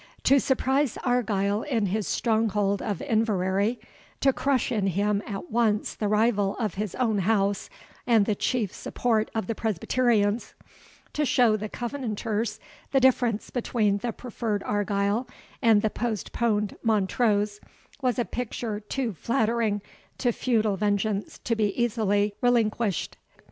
To surprise Argyle in his stronghold of Inverary to crush in him at once the rival of his own house and the chief support of the Presbyterians to show the Covenanters the difference between the preferred Argyle and the postponed Montrose, was a picture too flattering to feudal vengeance to be easily relinquished.